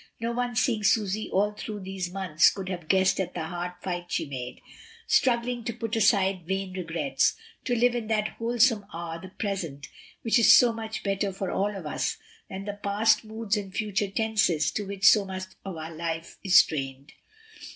No one seeing Susy all through these months could have guessed at the hard fight she made, struggling to put aside vain regrets, to live in that wholesome hour the present, which is so much better for all of us than the past moods and future tenses to which so much of our life is strained.